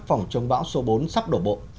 phòng chống bão số bốn sắp đổ bộ